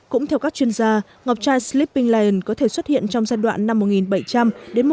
cũng theo các chuyên gia ngọc trai sleeping lion có thể xuất hiện trong giai đoạn năm một nghìn bảy trăm linh một nghìn bảy trăm sáu mươi ở